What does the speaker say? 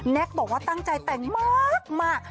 บอกว่าตั้งใจแต่งมาก